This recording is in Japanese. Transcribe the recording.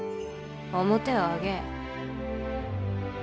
面を上げい。